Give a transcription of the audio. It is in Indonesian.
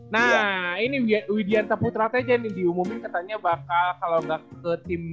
nah ini widyanta putra tejen yang diumumin katanya bakal kalau ga ke tim